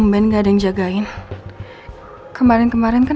bakalan giliran anda diteli palawan